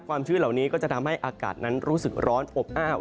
ชื้นเหล่านี้ก็จะทำให้อากาศนั้นรู้สึกร้อนอบอ้าว